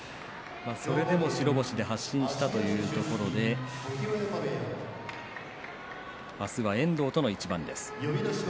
それでも白星発進ということで明日は遠藤との一番です。